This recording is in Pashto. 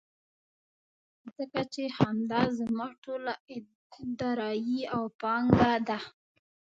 ځکه چې همدا زما ټوله دارايي او پانګه ده.